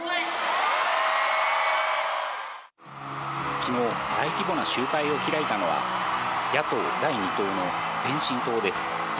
きのう、大規模な集会を開いたのは、野党第２党の前進党です。